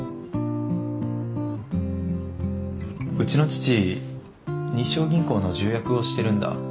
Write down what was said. うちの父日章銀行の重役をしてるんだ。